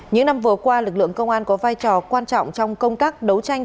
những năm vừa qua lực lượng công an có vai trò quan trọng trong công tác đấu tranh